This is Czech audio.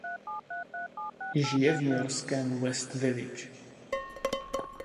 Žije v newyorském West Village.